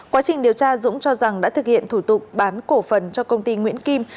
quá trình điều tra dũng cho rằng đã thực hiện thủ tục bán cổ phần cho công ty nguyễn kim